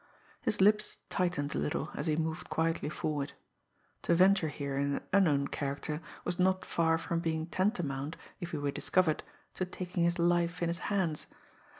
His lips tightened a little as he moved quietly forward. To venture here in an unknown character was not far from being tantamount, if he were discovered, to taking his life in his hands.